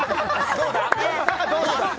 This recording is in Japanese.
どうだ？